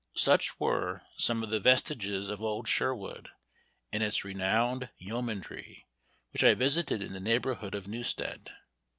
Such were some of the vestiges of old Sherwood and its renowned "yeomandrie," which I visited in the neighborhood of Newstead.